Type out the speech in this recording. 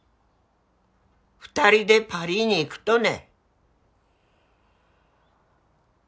二人でパリに行くとね？